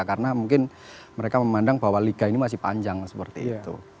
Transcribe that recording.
karena mungkin mereka memandang bahwa liga ini masih panjang seperti itu